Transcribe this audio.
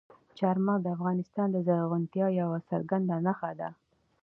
چار مغز د افغانستان د زرغونتیا یوه څرګنده نښه ده.